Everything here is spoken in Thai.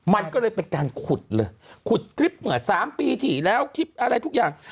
มันก็เลยเป็นการขุดเลยขุดคลิปเมื่อ๓ปีที่แล้วคลิปอะไรทุกอย่าง